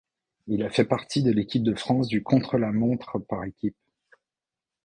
Il a fait partie de l'équipe de France du contre-la-montre par équipes.